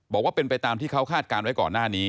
บอกว่าเป็นไปตามที่เขาคาดการณ์ไว้ก่อนหน้านี้